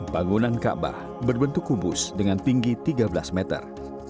bangunan kaabah berbentuk kubus dengan tinggi tiga belas meter